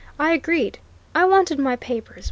"I agreed! I wanted my papers.